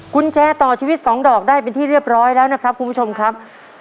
กุญแจต่อชีวิต๒ดอกได้เป็นที่เรียบร้อยแล้วนะครับคุณผู้ชมครับ